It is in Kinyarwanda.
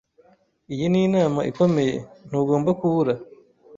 Iyi ni inama ikomeye. Ntugomba kubura.